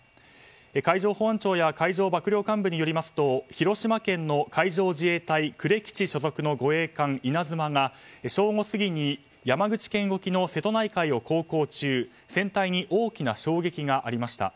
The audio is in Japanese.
海上保安庁や海上幕僚監部によりますと広島県の海上自衛隊呉基地所属の護衛艦「いなづま」が正午過ぎに山口県沖の瀬戸内海を航行中、船体に大きな衝撃がありました。